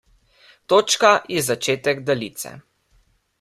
Točka je začetek daljice.